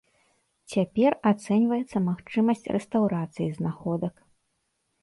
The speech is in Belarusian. Цяпер ацэньваецца магчымасць рэстаўрацыі знаходак.